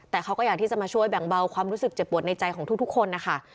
แต่เขาก็อยากที่จะมาช่วยแบ่งเบาความรู้สึกเจ็บปวดในใจของทุกคนนะคะ